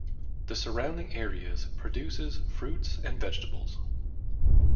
The surrounding areas produces fruits and vegetables.